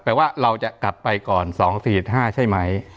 ว่าเราจะกลับไปก่อน๒๔๕ใช่ไหม